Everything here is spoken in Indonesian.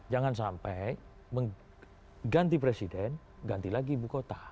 jangan sampai mengganti presiden ganti lagi ibu kota